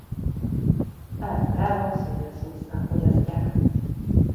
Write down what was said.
Általában szójaszósszal fogyasztják.